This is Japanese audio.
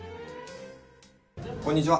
こんにちは。